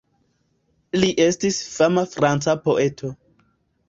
Li estis fama franca poeto.